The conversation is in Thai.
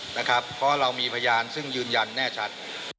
เพราะเรามีพยานซึ่งยืนยันแน่ชัด